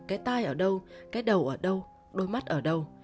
cái tai ở đâu cái đầu ở đâu đôi mắt ở đâu